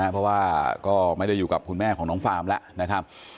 เพราะว่าก็ไม่ได้อยู่กับคุณแม่ของน้องฟาร์มแล้วนะครับ